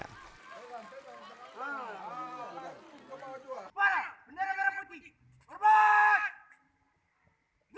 para bendera merah putih